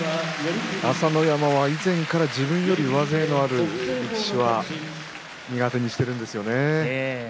朝乃山は以前から自分より上背のある力士は苦手にしているんですよね。